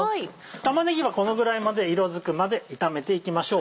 玉ねぎはこのぐらいまで色づくまで炒めていきましょう。